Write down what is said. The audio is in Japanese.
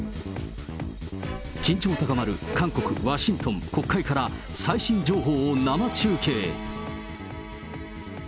緊張高まる韓国、ワシントン、国会から最新情報を生中継。